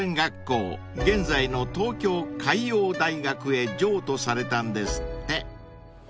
現在の東京海洋大学へ譲渡されたんですって］